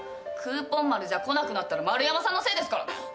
クーポンまる来なくなったら丸山さんのせいですからね。